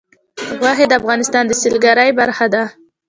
غوښې د افغانستان د سیلګرۍ برخه ده.